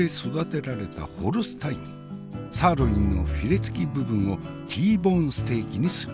サーロインのヒレ付き部分をＴボーンステーキにする。